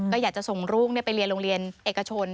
ก็อยากจะส่งลูกไปเรียนโรงเรียนเอกชน